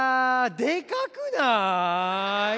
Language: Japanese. でかくない？